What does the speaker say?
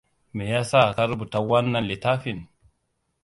Me ya sa ka rubuta wannan littafin?